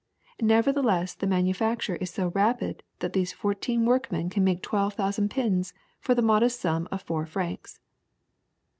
Nevertheless the manufacture is so rapid that these fourteen workmen can make twelve thousand pins for the modest sum of four francs."